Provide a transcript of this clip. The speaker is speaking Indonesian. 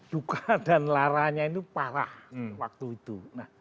luka dan laranya ini parah waktu itu